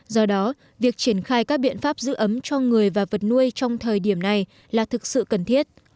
do đó việc triển khai các biện pháp giữ ấm cho người và vật nuôi trong thời điểm này là thực sự cần thiết